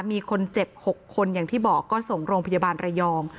มีคนเจ็บ๖คนอย่างที่บอกก็ส่งโรงพยาบาลระยอง